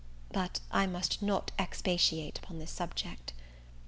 But I must not expatiate upon this subject.